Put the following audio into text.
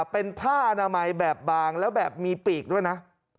เป็นผ้าอนามัยแบบบางแล้วแบบมีปีกด้วยนะ